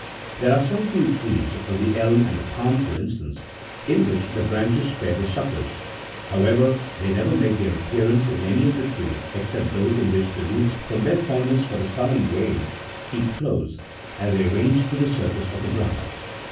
There are some few trees, the elm and the palm for instance, in which the branches spare the suckers ; however, they never make their appearance in any of the trees except those in which the roots, from their fond ness for the sun and rain, keep close, as they range, to the surface of the ground.